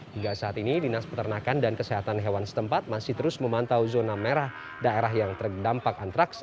hingga saat ini dinas peternakan dan kesehatan hewan setempat masih terus memantau zona merah daerah yang terdampak antraks